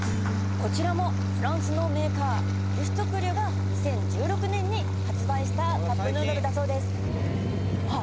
こちらもフランスのメーカーリュストクリュが２０１６年に発売したカップヌードルだそうですあっ